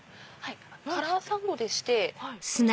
カラーサンドでして。